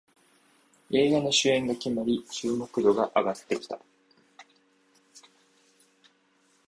映画の主演が決まり注目度が上がってきた